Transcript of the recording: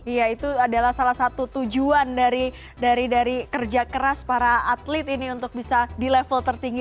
iya itu adalah salah satu tujuan dari kerja keras para atlet ini untuk bisa di level tertinggi